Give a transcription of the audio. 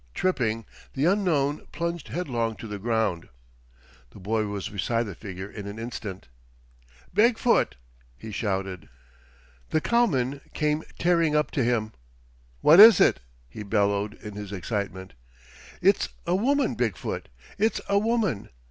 Tripping, the unknown plunged headlong to the ground. The boy was beside the figure in an instant. "Big foot!" he shouted. The cowman came tearing up to him. "What is it?" he bellowed in his excitement. "It's a woman, Big foot! It's a woman!